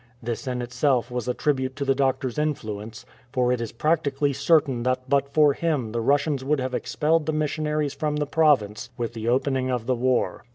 This in itself was a tribute to the Doctor's influence, for it is practically certain that but for him the Russians would have expelled the missionaries from the province with the opening of the war.